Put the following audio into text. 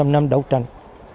một trăm linh năm đấu tranh